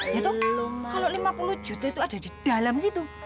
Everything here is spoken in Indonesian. itu belum kalau lima puluh juta itu ada di dalam situ